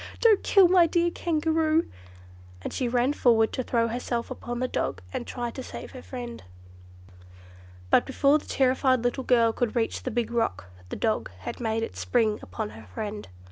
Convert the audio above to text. Don't kill my dear Kangaroo!" and she ran forward to throw herself upon the dog and try to save her friend. But before the terrified little girl could reach the big rock, the dog had made its spring upon her friend.